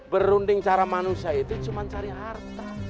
berunding cara manusia itu cuma cari harta